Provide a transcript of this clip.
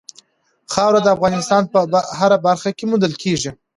خاوره د افغانستان په هره برخه کې موندل کېږي.